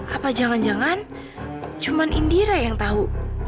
apa jangan jangan cuma indira yang tahu